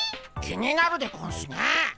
気になるでゴンスね。